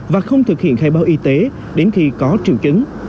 và không thực hiện khai báo y tế đến khi có triệu chứng